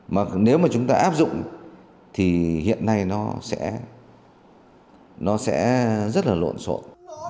mà nếu mà chúng ta áp dụng thì hiện nay nó sẽ rất là lộn xộn